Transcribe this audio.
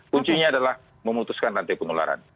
kuncinya adalah memutuskan rantai penularan